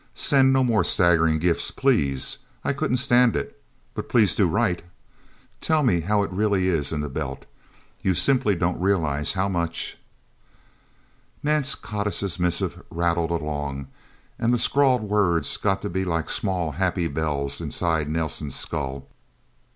Send no more staggering gifts, please I couldn't stand it but please do write. Tell me how it really is in the Belt. You simply don't realize how much " Nance Codiss' missive rattled along, and the scrawled words got to be like small, happy bells inside Nelsen's skull.